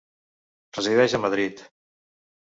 Resideix a Madrid.